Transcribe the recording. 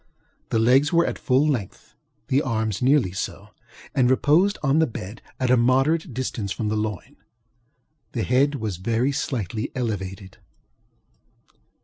The legs were at full length; the arms were nearly so, and reposed on the bed at a moderate distance from the loin. The head was very slightly elevated.